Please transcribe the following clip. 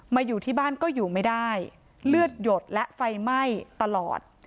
อยู่ที่บ้านก็อยู่ไม่ได้เลือดหยดและไฟไหม้ตลอด